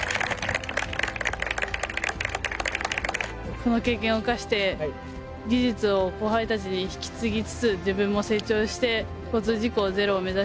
この経験を生かして技術を後輩たちに引き継ぎつつ自分も成長して交通事故ゼロを目指して頑張っていきたいと思います。